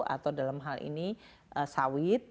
atau dalam hal ini sawit